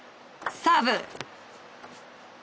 サーブ！